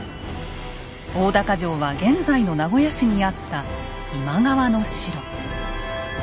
大高城は現在の名古屋市にあった今川の城。